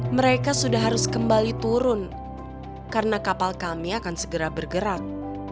mereka sudah harus kembali turun karena kapal kami akan segera bergerak